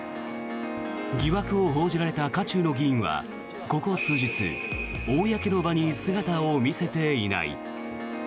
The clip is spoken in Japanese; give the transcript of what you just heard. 疑惑を報じられた渦中の議員はここ数日公の場に姿を見せていない。